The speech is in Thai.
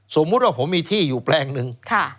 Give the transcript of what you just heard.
สมมุติว่าผมมีที่อยู่แปลงหนึ่ง